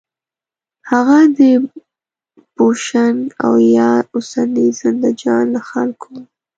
هغه د پوشنګ او یا اوسني زندهجان له خلکو و.